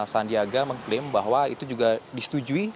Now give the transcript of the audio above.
sandiaga mengklaim bahwa itu juga disetujui